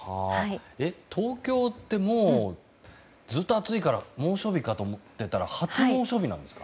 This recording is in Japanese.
東京ってもうずっと暑いから猛暑日かと思ってたら初猛暑日なんですか？